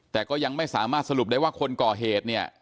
แต่ก็ยังไม่สามารถสรุปได้ว่าคนก่อเหตุเนี่ย